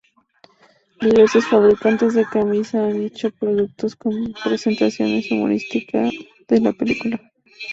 Diversos fabricantes de camisetas han hecho productos con representaciones humorísticas de la película.